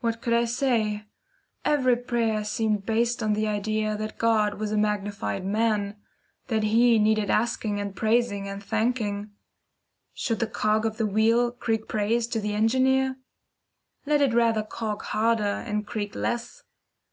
What could I say? Every prayer seemed based on the idea that God was a magnified man that He needed asking and praising and thanking. Should the cog of the wheel creak praise to the Engineer? Let it rather cog harder, and creak less.